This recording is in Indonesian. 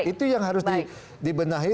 itu yang harus dibenahi